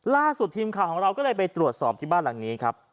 ล่าสุดทีมข่าวของเราก็เลยไปตรวจสอบที่บ้านหลังนี้ครับ